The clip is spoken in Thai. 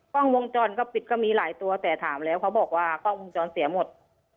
กล้องวงจรปิดก็ปิดก็มีหลายตัวแต่ถามแล้วเขาบอกว่ากล้องวงจรเสียหมด